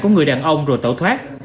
của người đàn ông rồi tẩu thoát